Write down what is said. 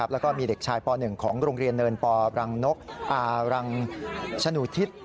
แล้วก็มีเด็กชายป๑ของโรงเรียนเนินปรังนกอารังชนุทิศ